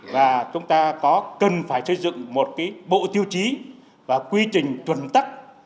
và chúng ta có cần phải xây dựng một cái bộ tiêu chí và quy trình chuẩn tắc